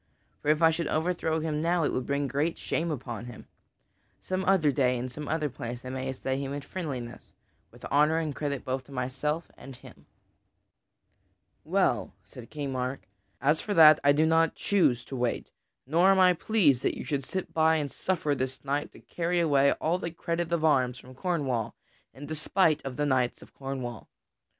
For if I should overthrow him now, it would bring great shame upon him. Some other day and in some other place I may assay him in friendliness, with honor and credit both to myself and him." [Sidenote: King Mark commands Sir Tristram to do battle] "Well," said King Mark, "as for that, I do not choose to wait. Nor am I pleased that you should sit by and suffer this knight to carry away all the credit of arms from Cornwall in despite of the knights of Cornwall.